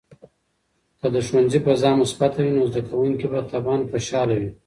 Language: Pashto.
که د ښوونځي فضا مثبته وي، نو زده کوونکي به طبعاً خوشحال وي.